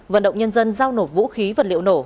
vận động nhân dân giao nộp vũ khí vật liệu nổ